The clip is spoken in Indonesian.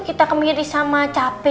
kita kemiri sama capek